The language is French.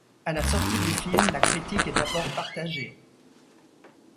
À la sortie du film, la critique est d'abord partagée.